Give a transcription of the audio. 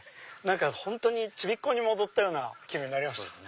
本当にちびっ子に戻ったような気分になりました。